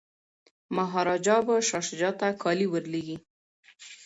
مهاراجا به شاه شجاع ته کالي ور لیږي.